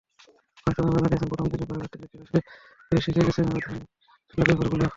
ঘনিষ্ঠজনেরা জানিয়েছেন, প্রথম দিনের বার্গার তৈরির ক্লাসেই বেশ শিখে গেছেন রাঁধুনিসুলভ ব্যাপারগুলো।